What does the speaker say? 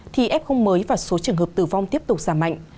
thì f mới và số trường hợp tử vong tiếp tục giảm mạnh